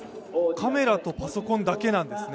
カメラとパソコンだけなんですね。